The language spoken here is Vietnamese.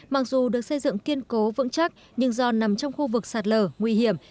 mặc dù được xây dựng kiên cố vững chắc nhưng do nằm trong khu vực sạt lở nguy hiểm